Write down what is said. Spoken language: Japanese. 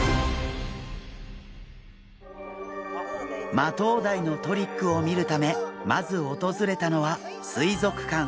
マトウダイのトリックを見るためまず訪れたのは水族館。